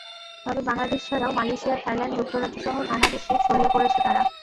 তবে বাংলাদেশ ছাড়াও Malaysia, Thailand, যুক্তরাজ্যসহ নানা দেশে ছড়িয়ে পড়ছে তারা।